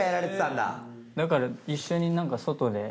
だから一緒になんか外で。